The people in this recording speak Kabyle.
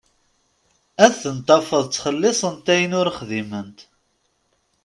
Ad tent-tafeḍ ttxelisent ayen ur xdiment.